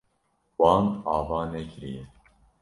Wan ava nekiriye.